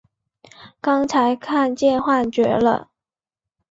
刚才看见幻觉了！